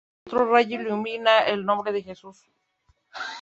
Otro rayo ilumina el nombre de Jesús.